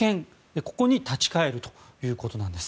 ここに立ち返るということなんです。